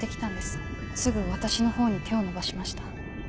すぐ私のほうに手を伸ばしました。